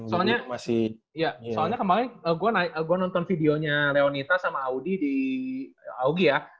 soalnya kemarin gue nonton videonya leonita sama audi di auggie ya